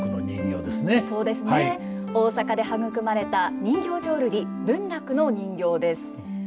大阪で育まれた人形浄瑠璃文楽の人形です。